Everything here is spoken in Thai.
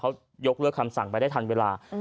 เค้ายกเลือกคำสั่งไปได้ทันเวลาอืม